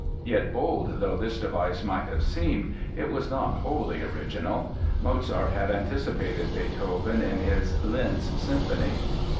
Yet bold though this device might have seemed, it was not wholly original. Mozart had anticipated Beethoven in his "Linz" Symphony.